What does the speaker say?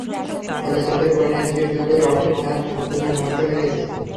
ফলে চোখের কর্নিয়া থেকে শুরু করে অপটিক নার্ভ সবকিছু নষ্ট হয়ে গেছে।